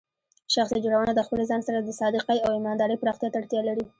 شخصیت جوړونه د خپل ځان سره د صادقۍ او ایماندارۍ پراختیا ته اړتیا لري.